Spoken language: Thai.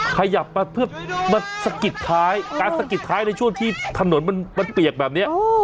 ขยับมาเพื่อมาสะกิดท้ายการสะกิดท้ายในช่วงที่ถนนมันเปียกแบบนี้